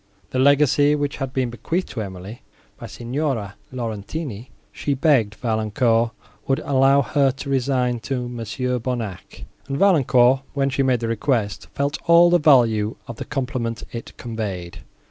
The legacy, which had been bequeathed to Emily by Signora Laurentini, she begged Valancourt would allow her to resign to Mons. Bonnac; and Valancourt, when she made the request, felt all the value of the compliment it conveyed.